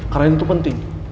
karena ini tuh penting